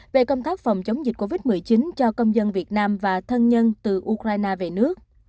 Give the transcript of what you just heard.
về công tác phòng chống dịch covid một mươi chín cho công dân việt nam và thân nhân từ ukraine về nước